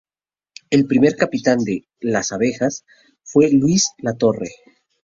El primer capitán de ""las abejas"" fue Luis La Torre.